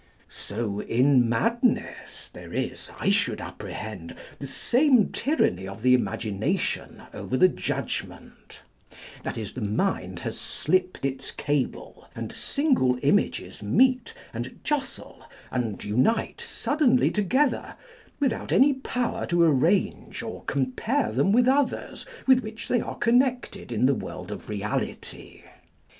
So in madness, there is, I should apprehend, the same tyranny of the imagination over the judgment ; that is, the mind has slipped its cable, and single images meet, and jostle, and unite suddenly together, without any power to arrange or compare them with others writh which they are con nected in the world of reality.